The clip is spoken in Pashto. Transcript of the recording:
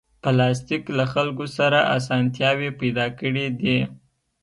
پلاستيک له خلکو سره اسانتیاوې پیدا کړې دي.